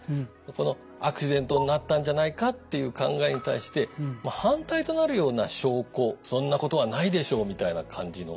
この「アクシデントになったんじゃないか」という考えに対して反対となるような証拠「そんなことはないでしょう」みたいな感じの。